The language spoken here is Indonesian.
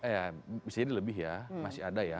ya bisa jadi lebih ya masih ada ya